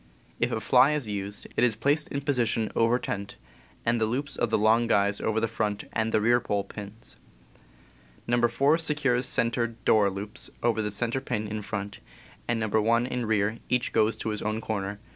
If a fly is used, it is placed in position over tent, and the loops of the long guys over the front and rear pole pins. No. 4 secures center (door) loops over center pin in front, and No. 1 in rear. Each goes to his corner.